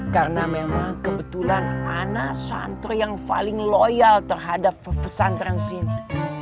karena memang kebetulan ana santri yang paling loyal terhadap pesantren sini